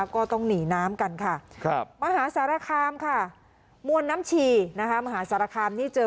ก็ต้องหนีน้ำกันมหาสารคามมวลน้ำชีมหาสารคามที่เจอ